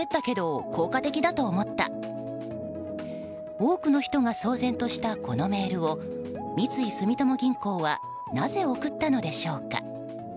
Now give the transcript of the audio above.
多くの人が騒然としたこのメールを三井住友銀行はなぜ送ったのでしょうか。